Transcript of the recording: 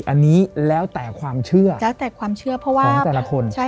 อันนี้แล้วแต่ความเชื่อของแต่ละคน